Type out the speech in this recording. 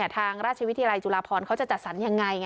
ทางราชวิทยาลัยจุฬาพรเขาจะจัดสรรยังไง